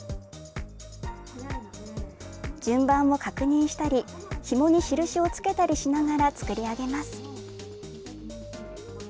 順番を確認したりひもに印をつけたりしながら作り上げます。